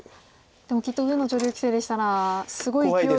でもきっと上野女流棋聖でしたらすごいいきおいで。